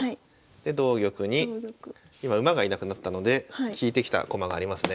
で同玉に今馬が居なくなったので利いてきた駒がありますね。